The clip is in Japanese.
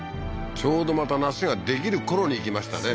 ちょうどまた梨ができるころに行きましたね